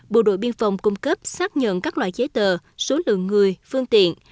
bộ đội biên phòng cung cấp xác nhận các loại giấy tờ số lượng người phương tiện